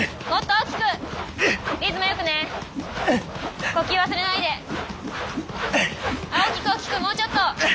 大きく大きくもうちょっと！